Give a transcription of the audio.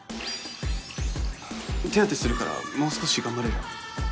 手当てするからもう少し頑張れる？